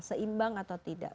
seimbang atau tidak